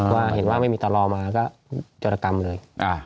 ว่าเห็นว่าไม่มีตำรวจมาแล้วก็จดกรรมเลย